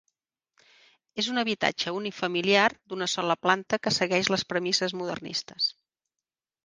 És un habitatge unifamiliar d'una sola planta que segueix les premisses modernistes.